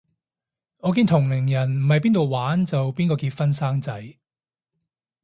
我見到同齡人唔係邊到玩就邊個結婚生仔